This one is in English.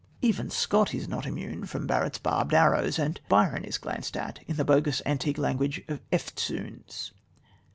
Even Scott is not immune from Barrett's barbed arrows, and Byron is glanced at in the bogus antique language of "Eftsoones."